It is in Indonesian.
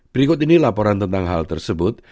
berikut ini laporan tentang hal tersebut